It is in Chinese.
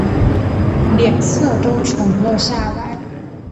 脸色都沉了下来